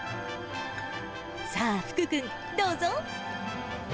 さあ、福君、どうぞ。